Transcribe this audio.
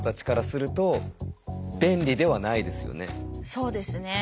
そうですね。